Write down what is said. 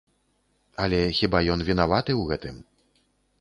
Але хіба ён вінаваты ў гэтым?